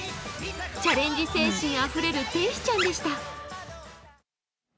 チャレンジ精神あふれる天使ちゃんでした。